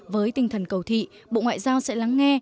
với tinh thần cầu thị bộ ngoại giao sẽ lắng nghe